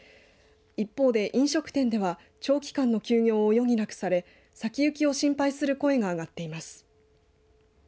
一方で飲食店では長期間の休業を余儀なくされ先行きを心配する声が上がっています。